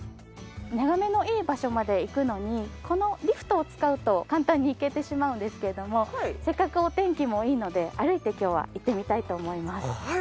眺めのいい場所まで行くのにこのリフトを使うと簡単に行けてしまうんですけれどもせっかくお天気もいいので歩いて今日は行ってみたいと思います。